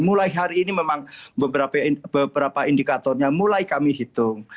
mulai hari ini memang beberapa indikatornya mulai kami hitung